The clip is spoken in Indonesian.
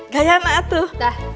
gaya anak tuh